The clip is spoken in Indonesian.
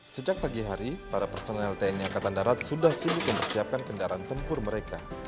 sejak pagi hari para personel tni angkatan darat sudah sibuk mempersiapkan kendaraan tempur mereka